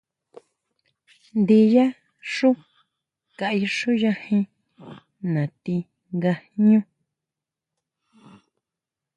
Ndiyá xú kaixuyajen natí nga jñú.